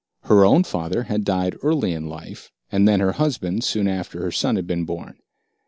Her own father had died early in life, and then her husband soon after her son had been born.